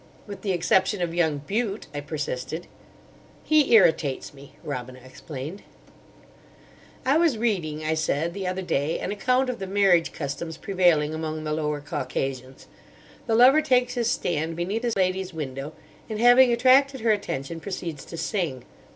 "With the exception of young Bute," I persisted. "He irritates me," Robina explained. "I was reading," I said, "the other day, an account of the marriage customs prevailing among the Lower Caucasians. The lover takes his stand beneath his lady's window, and, having attracted her attention, proceeds to sing.